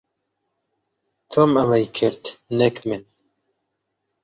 تۆم ئەمەی کرد، نەک من.